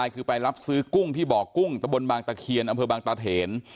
คือไปรับซื้อกุ้งที่บ่อกุ้งตะบนบางตะเคียนอำเภอบางตาเถน